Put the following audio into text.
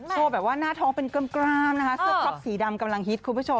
แบบว่าหน้าท้องเป็นกล้ามนะคะเสื้อครอบสีดำกำลังฮิตคุณผู้ชม